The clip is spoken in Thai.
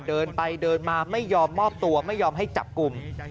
เดินไปเดินมาไม่ยอมมอบตัวไม่ยอมให้จับกลุ่ม